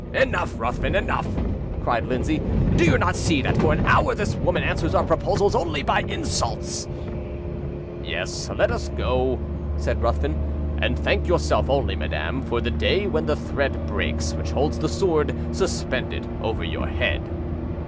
"Enough, Ruthven, enough," cried Lindsay. "Do you not see that for an hour this woman answers our proposals only by insults?" "Yes, let us go," said Ruthven; "and thank yourself only, madam, for the day when the thread breaks which holds the sword suspended over your head."